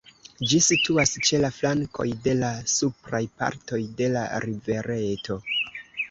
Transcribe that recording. Ĝi situas ĉe la flankoj de la supraj partoj de la rivereto.